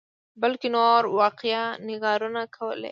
بلکې نورو واقعه نګارانو کولې.